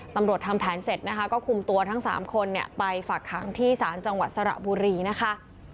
ทำแผนเสร็จนะคะก็คุมตัวทั้ง๓คนไปฝากขังที่ศาลจังหวัดสระบุรีนะคะ